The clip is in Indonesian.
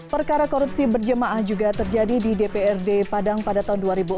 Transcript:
perkara korupsi berjemaah juga terjadi di dprd padang pada tahun dua ribu empat